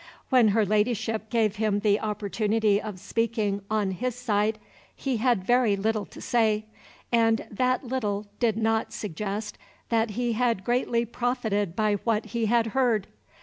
When her Ladyship gave him the opportunity of speaking on his side, he had very little to say, and that little did not suggest that he had greatly profited by what he had heard.